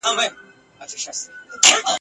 لا یې منځ د شنه ځنګله نه وو لیدلی ..